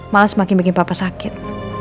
malah semakin bikin papa sakit